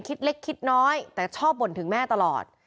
คิดเล็กคิดน้อยแต่ชอบบ่นถึงแม่ตลอด